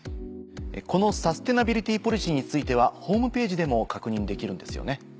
このサステナビリティポリシーについてはホームページでも確認できるんですよね？